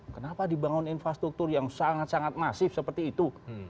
kenapa dibangun infrastruktur yang sangat sangat masif seperti itu